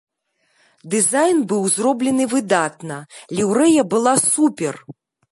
Дызайн быў зроблены выдатна, ліўрэя была супер!